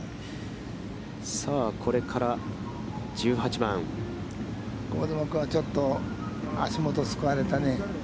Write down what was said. さあ、これから１８番、香妻君は、ちょっと足元をすくわれたね。